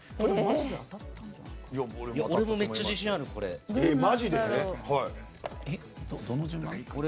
俺もめっちゃ自信ある、これ。